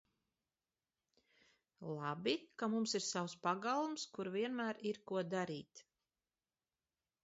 Labi, ka mums ir savs pagalms, kur vienmēr ir, ko darīt!